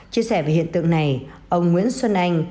chia sẻ về hiện tượng này ông nguyễn xuân anh